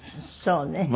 そうね。